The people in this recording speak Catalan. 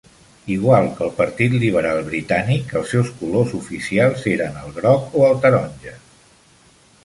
Igual que el Partit Liberal Britànic, els seus colors oficials eren el groc o el taronja.